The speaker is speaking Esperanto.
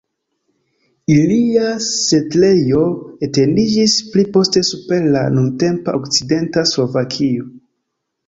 Ilia setlejo etendiĝis pli poste super la nuntempa okcidenta Slovakio.